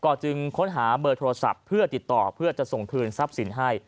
จึงค้นหาเบอร์โทรศัพท์เพื่อติดต่อเพื่อจะส่งคืนทรัพย์สินให้